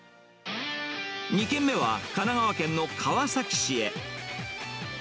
２軒目は神奈川県の川崎市へ。